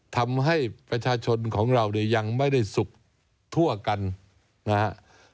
ทำให้ประชาชนของเราเนี่ยยังไม่ได้สุขทั่วกันนะครับ